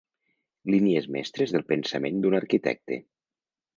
Línies mestres del pensament d'un arquitecte.